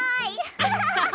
アハハハ。